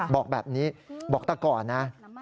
บอกแบบนี้บอกแต่ก่อนนะ